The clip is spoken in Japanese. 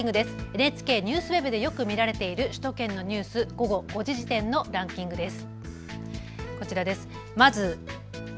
ＮＨＫＮＥＷＳＷＥＢでよく見られている首都圏のニュース、午後５時時点のランキングです。